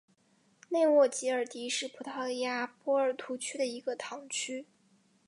内沃吉尔迪是葡萄牙波尔图区的一个堂区。